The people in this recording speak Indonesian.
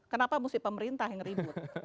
kenapa mesti pemerintah yang ribut